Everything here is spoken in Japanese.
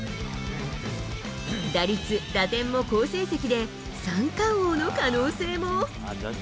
打率、打点も好成績で、三冠王の可能性も。